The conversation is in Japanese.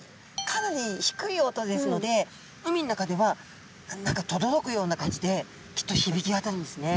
かなり低い音ですので海の中では何かとどろくような感じできっとひびきわたるんですね。